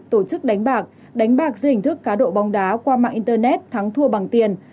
tổ chức đánh bạc đánh bạc dưới hình thức cá độ bóng đá qua mạng internet thắng thua bằng tiền